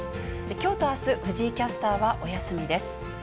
きょうとあす、藤井キャスターはお休みです。